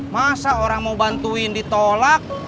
masa orang mau bantuin ditolak